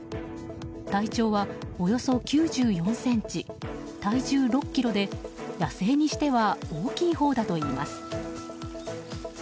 体長はおよそ９４ｃｍ体重６ｋｇで野生にしては大きいほうだといいます。